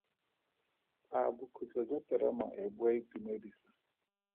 A bokhutlo jwa terama e bo a itumedisa?